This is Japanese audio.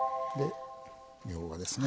みょうがですね。